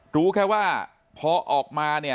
รู้แค่ว่าพอออกมาเนี่ย